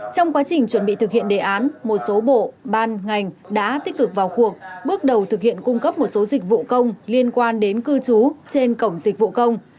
trong quá trình chuẩn bị thực hiện đề án một số bộ ban ngành đã tích cực vào cuộc bước đầu thực hiện cung cấp một số dịch vụ công liên quan đến cư trú trên cổng dịch vụ công